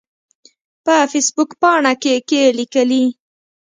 په فیسبوک پاڼه کې کې لیکلي